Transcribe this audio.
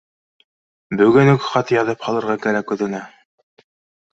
Бөгөн үк хат яҙып һалырға кәрәк үҙенә